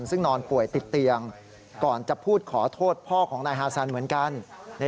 ซึ่งนอนป่วยติดเตียงก่อนจะพูดขอโทษพ่อของนายฮาซันเหมือนกัน